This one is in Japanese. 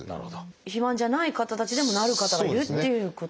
肥満じゃない方たちでもなる方がいるっていうことですね。